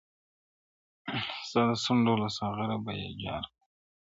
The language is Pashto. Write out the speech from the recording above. • ستا د سونډو له ساغره به یې جار کړم..